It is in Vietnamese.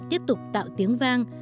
tiếp tục tạo tiếng vang